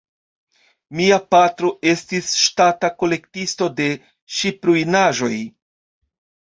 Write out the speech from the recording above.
Mia patro estis ŝtata kolektisto de ŝipruinaĵoj.